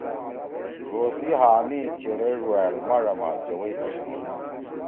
ڙو سی ہآ می چیرے ڙوأل ماڙا ما جوَئی پَشَن ہودی۔